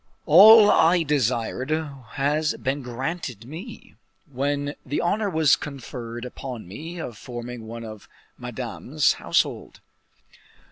"All I desired has been granted me, when the honor was conferred upon me of forming one of Madame's household."